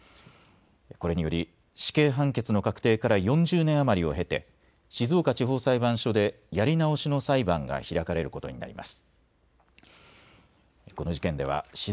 これにより死刑判決の確定から４０年余りを経て静岡地方裁判所でやり直しの裁判が開かれることになります。